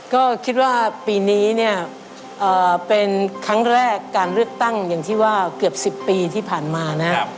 ก็คิดว่าปีนี้เนี่ยเป็นครั้งแรกการเลือกตั้งอย่างที่ว่าเกือบ๑๐ปีที่ผ่านมานะ